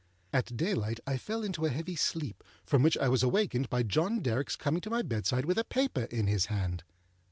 At daylight I fell into a heavy sleep, from which I was awakened by John Derrickâs coming to my bedside with a paper in his hand.